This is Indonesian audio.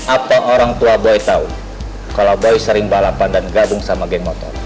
apa orang tua boy tahu kalau boy sering balapan dan gabung sama geng motor